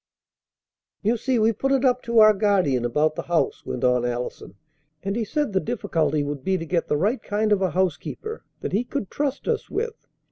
"You see, we put it up to our guardian about the house," went on Allison, "and he said the difficulty would be to get the right kind of a housekeeper that he could trust us with.